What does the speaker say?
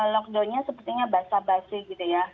lockdown nya sepertinya basah basih gitu ya